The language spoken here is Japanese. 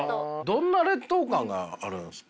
どんな劣等感があるんですか？